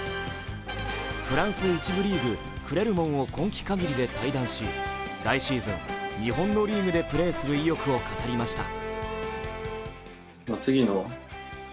フランス１部リーグ・クレルモンを今季限りで退団し来シーズン、日本のリーグでプレーする意欲を語りました。